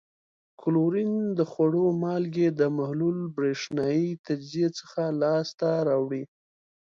کلورین د خوړو مالګې د محلول برېښنايي تجزیې څخه لاس ته راوړي.